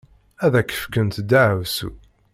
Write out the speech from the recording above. Ad ak-fkent ddeɛwessu.